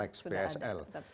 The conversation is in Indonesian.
ya sudah ada tetap